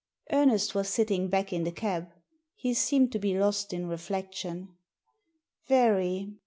Ernest was sitting back in the cab. He seemed to be lost in reflectioa "Very."